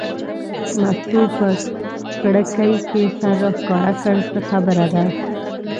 مستو په کړکۍ کې سر راښکاره کړ: څه خبره ده.